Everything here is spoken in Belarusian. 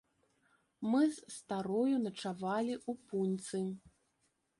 Мы з старою начавалі ў пуньцы.